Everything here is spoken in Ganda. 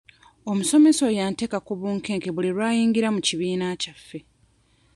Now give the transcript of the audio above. Omusomesa oyo anteeka ku bunkenke buli lw'ayingira mu kibiina kyaffe.